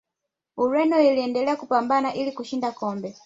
ureno iliendelea kupambana ili kushinda kombe